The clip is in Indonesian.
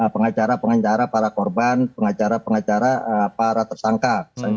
pengacara pengacara para korban pengacara pengacara para tersangka